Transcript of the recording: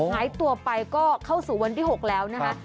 หายตัวไปก็เข้าสู่วันที่๖แล้วนะคะ